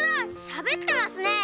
しゃべってますねえ。